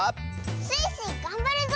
「スイスイ！がんばるぞ」